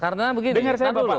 karena begini dengar saya dulu